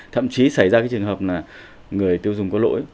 thậm chí xảy ra cái trường hợp là người tiêu dùng có lỗi